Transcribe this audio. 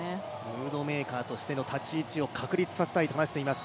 ムードメーカーとしての立ち位置を確立していきたいと話しています